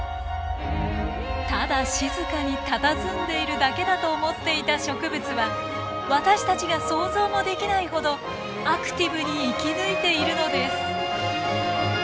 ただ静かにたたずんでいるだけだと思っていた植物は私たちが想像もできないほどアクティブに生き抜いているのです。